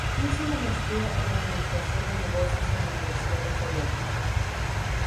Hizo una Maestría en Administración de Negocios en la Universidad de Columbia.